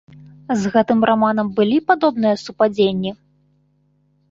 З гэтым раманам былі падобныя супадзенні?